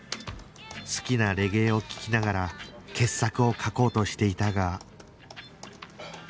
好きなレゲエを聴きながら傑作を書こうとしていたが